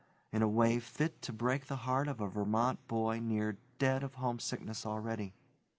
in a way fit to break the heart of a Vermont boy near dead of homesickness already.